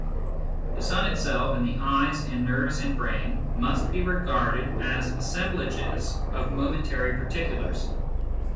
The sun itself and the eyes and nerves and brain must be regarded as assemblages of momentary particulars.